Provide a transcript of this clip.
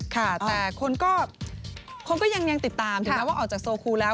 ค่ะแต่คนก็ยังติดตามถึงออกจากโซคูแล้ว